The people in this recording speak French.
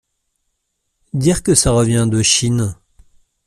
Dire que ça revient de Chine !